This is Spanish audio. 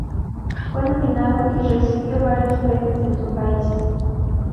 Fue nominado y recibió varios premios en su país.